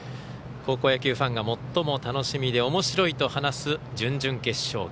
高校野球ファンが最も楽しみでおもしろいと話す準々決勝。